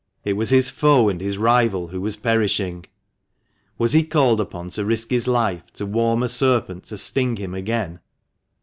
It was his foe and his rival who was perishing ! Was he called upon to risk his life to warm a serpent to sting him again?